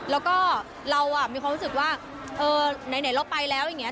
แล้วก็เรามีความรู้สึกว่าเออไหนเราไปแล้วอย่างนี้